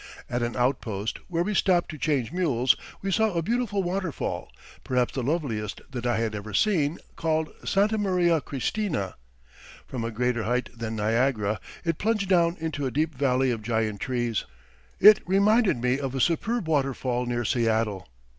At an outpost, where we stopped to change mules, we saw a beautiful waterfall, perhaps the loveliest that I had ever seen, called Santa Maria Cristina. From a greater height than Niagara it plunged down into a deep valley of giant trees. It reminded me of a superb waterfall near Seattle.